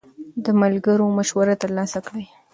د ملګرو مشوره ترلاسه کړئ.